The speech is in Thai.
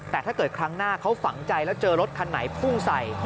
แต่ถ้าเกิดครั้งหน้าเขาฝังใจแล้วเจอรถคันไหนพุ่งใส่